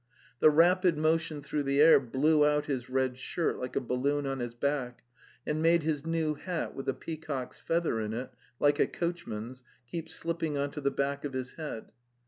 The rapid motion through the air blew out his red shirt like a balloon on his back and made his new hat with a peacock's feather in it, like a coachman's, keep slipping on to the back of his head.